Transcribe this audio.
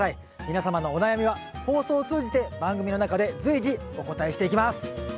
皆様のお悩みは放送を通じて番組の中で随時お答えしていきます。